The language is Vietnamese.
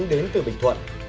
đến từ bình thuận